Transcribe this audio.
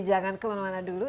jangan kemana mana dulu